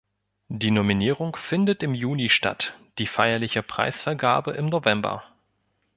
Die Nominierung findet im Juni statt, die feierliche Preisvergabe im November.